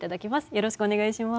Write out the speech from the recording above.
よろしくお願いします。